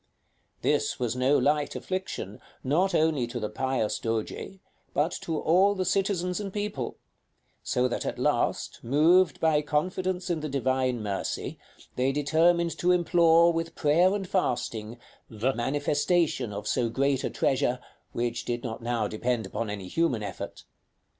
This was no light affliction, not only to the pious Doge, but to all the citizens and people; so that at last, moved by confidence in the Divine mercy, they determined to implore, with prayer and fasting, the manifestation of so great a treasure, which did not now depend upon any human effort.